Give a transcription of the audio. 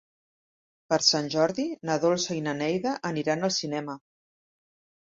Per Sant Jordi na Dolça i na Neida aniran al cinema.